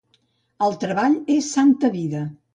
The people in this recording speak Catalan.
El treball és santa vida.